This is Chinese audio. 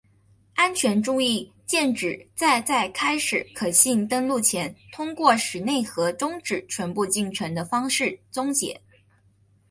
安全注意键旨在在开始可信登录前通过使内核终止全部进程的方式终结。